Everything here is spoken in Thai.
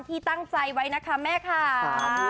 ที่ตั้งใจไว้นะคะแม่ค่ะ